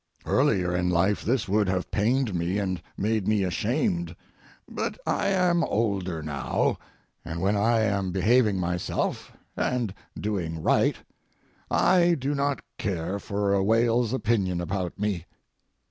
Earlier in life this would have pained me and made me ashamed, but I am older now, and when I am behaving myself, and doing right, I do not care for a whale's opinion about me.